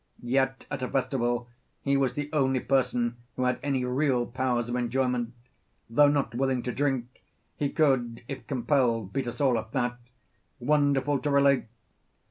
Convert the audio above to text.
Yet at a festival he was the only person who had any real powers of enjoyment; though not willing to drink, he could if compelled beat us all at that, wonderful to relate!